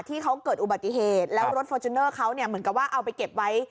ที่เขาเกิดอุบัติเหตุแล้วรถฟอร์จูเนอร์เขาเนี่ยเหมือนกับว่าเอาไปเก็บไว้